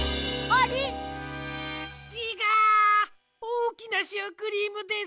おおきなシュークリームです！